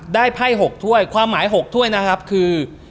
ไพ่๖ถ้วยความหมาย๖ถ้วยนะครับคือ